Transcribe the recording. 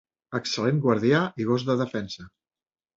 Excel·lent guardià i gos de defensa.